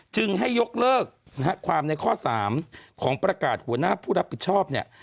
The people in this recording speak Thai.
จึงให้ยกเลิกนะฮะความในข้อ๓ของประกาศหัวหน้าผู้รับผิดชอบเนี่ย